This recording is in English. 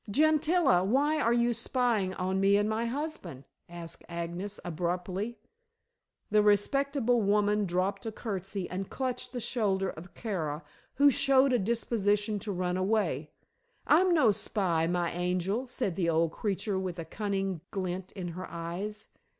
"Gentilla, why are you spying on me and my husband?" asked Agnes abruptly. The respectable woman dropped a curtsey and clutched the shoulder of Kara, who showed a disposition to run away. "I'm no spy, my angel," said the old creature with a cunning glint in her eyes.